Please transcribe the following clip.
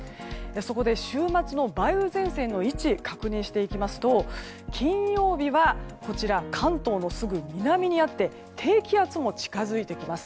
そこで週末の梅雨前線の位置を確認していきますと金曜日は関東のすぐ南にあって低気圧も近づいてきます。